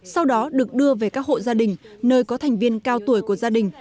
sau đó được đưa về các hộ gia đình nơi có thành viên cao tuổi của gia đình